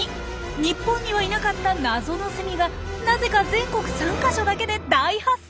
日本にはいなかった謎のセミがなぜか全国３か所だけで大発生。